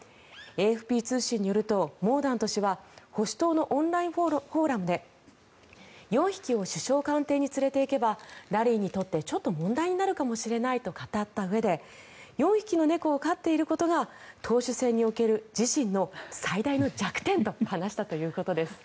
ＡＦＰ通信によるとモーダント氏は保守党のオンラインフォーラムで４匹を首相官邸に連れていけばラリーにとってちょっと問題になるかもしれないと語ったうえで４匹の猫を飼っていることが党首選における自身の最大の弱点と話したということです。